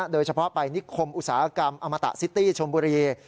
โดยเฉพาะไปนิคมอุตสาหกรรมอมตะซิตี้ชมบุรี